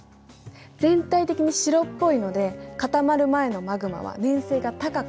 全体的に白っぽいので固まる前のマグマは粘性が高かったのね。